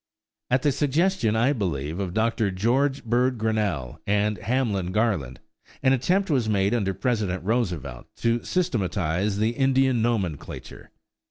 At the suggestion, I believe, of Dr. George Bird Grinnell and Hamlin Garland, an attempt was made under President Roosevelt to systematize the Indian nomenclature.